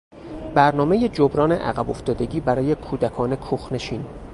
برنامهی جبران عقبافتادگی برای کودکان کوخنشین